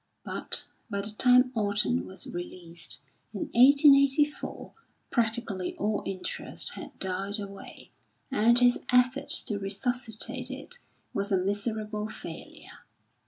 But, by the time Orton was released, in 1884, practically all interest had died away, and his effort to resuscitate it was a miserable failure.